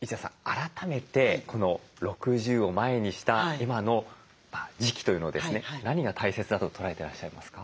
改めて６０を前にした今の時期というのをですね何が大切だと捉えてらっしゃいますか？